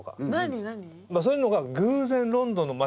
そういうのが。